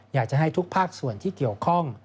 อยากจะให้ทุกภาคส่วนที่เกี่ยวข้อง